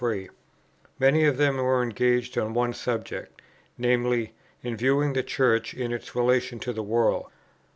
Many of them are engaged on one subject, viz. in viewing the Church in its relation to the world.